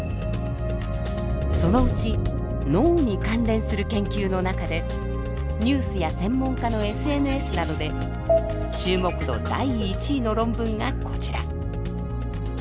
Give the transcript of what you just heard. そのうち脳に関連する研究の中でニュースや専門家のＳＮＳなどで注目度第１位の論文がこちら。